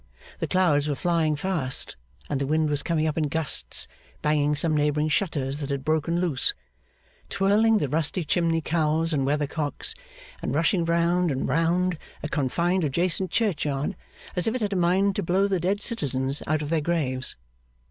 The clouds were flying fast, and the wind was coming up in gusts, banging some neighbouring shutters that had broken loose, twirling the rusty chimney cowls and weather cocks, and rushing round and round a confined adjacent churchyard as if it had a mind to blow the dead citizens out of their graves.